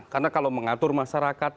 karena kalau mengatur masyarakat